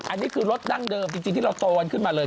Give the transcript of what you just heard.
อันนี้คือรถดั้งเดิมจริงที่เราโตกันขึ้นมาเลย